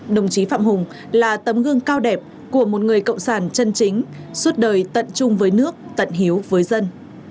đồng chí phạm hùng là tấm gương cao đẹp của một người cộng sản chân chính suốt đời tận chung với nước tận hiếu với dân